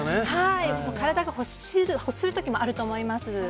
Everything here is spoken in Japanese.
体が欲する時もあると思います。